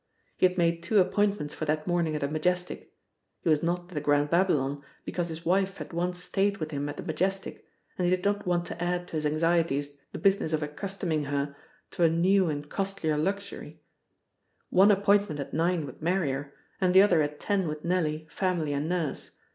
He had made two appointments for that morning at the Majestic (he was not at the Grand Babylon, because his wife had once stayed with him at the Majestic, and he did not want to add to his anxieties the business of accustoming her to a new and costlier luxury): one appointment at nine with Marrier, and the other at ten with Nellie, family, and Nurse.